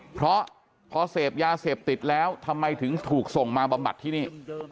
เพราะพอเสพยาเสพติดแล้วทำไมถึงถูกส่งมาบำบัดที่นี่